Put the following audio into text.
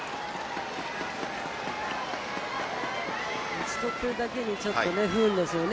打ち取ってるだけに不運ですよね。